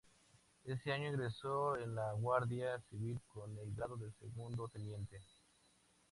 Ese año ingresó en la Guardia Civil con el grado de Segundo Teniente.